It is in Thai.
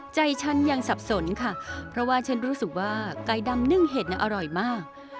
ใจฉันยังสับสนค่ะเพราะว่าฉันรู้สึกว่าไก่ดำนึ่งเห็ดน่ะอร่อยมาก